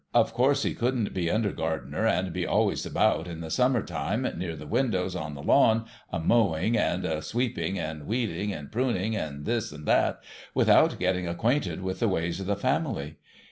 Of course he couldn't be under gardener, and be always about, in the summer time, near the windows on the lawn, a mowing, and sweeping, and weeding, and pruning, and this and that, without getting acquainted with the ways of the family.